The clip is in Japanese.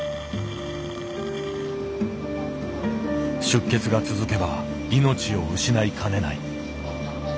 出血が続けば命を失いかねない。